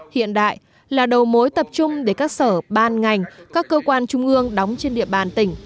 hiện đại là đầu mối tập trung để các sở ban ngành các cơ quan trung ương đóng trên địa bàn tỉnh